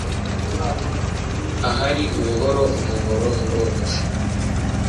ahari ubuhoro umuhoro urogosha